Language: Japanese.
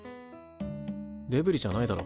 デブリじゃないだろ。